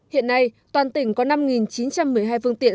hiện nay toàn tỉnh có năm chín trăm một mươi hai phương tiện